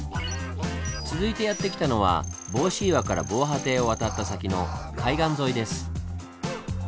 続いてやって来たのは帽子岩から防波堤を渡った先の海岸沿いです。